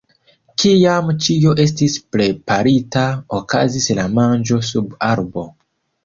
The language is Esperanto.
Kiam ĉio estis preparita, okazis la manĝo sub arbo.